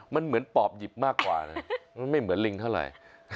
มันเหมือนปอบหยิบมากกว่านะมันไม่เหมือนลิงเท่าไหร่